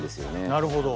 なるほど。